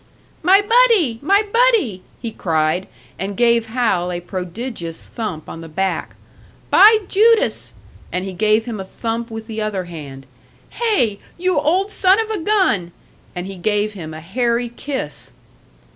"My buddy! My buddy!" he cried, and gave Hal a prodigious thump on the back. "By Judas!" And he gave him a thump with the other hand. "Hey! you old son of a gun!" And he gave him a hairy kiss!